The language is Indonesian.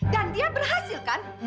dan dia berhasil kan